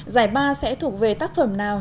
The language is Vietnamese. giải ba sẽ thuộc về tác phẩm nào